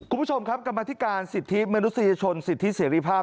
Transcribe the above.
คุณผู้ชมครับกรรมธิการสิทธิมนุษยชนสิทธิเสรีภาพ